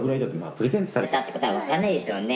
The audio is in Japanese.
プレゼントされたって事はわからないですよね。